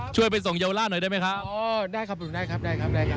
ไปส่งเยาวราชหน่อยได้ไหมครับอ๋อได้ครับผมได้ครับได้ครับได้ครับ